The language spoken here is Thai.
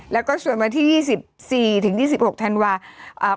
แล้วก็ส่วนวันที่๒๔ถึง๒๖ธันวาคม